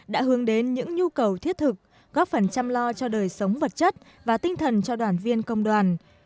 đã hướng đến những nhu cầu thiết thực góp phần chăm lo cho đời sống vật chất và tinh thần cho đoàn viên công đoàn